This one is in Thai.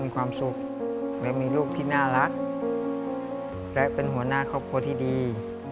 มีความสุขและมีลูกที่น่ารักและเป็นหัวหน้าครอบครัวที่ดี